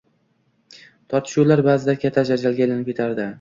Tortishuvlar baʼzida katta janjalga aylanib ketardi